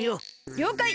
りょうかい！